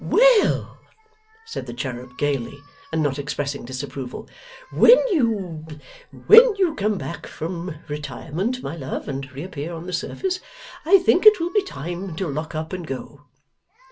'Well!' said the cherub gaily, and not expressing disapproval, 'when you when you come back from retirement, my love, and reappear on the surface, I think it will be time to lock up and go.